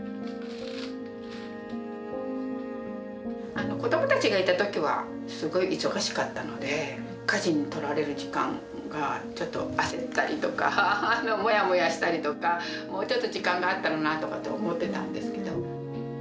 あの子どもたちがいた時はすごい忙しかったので家事に取られる時間がちょっと焦ったりとかモヤモヤしたりとかもうちょっと時間があったらなとかって思ってたんですけど。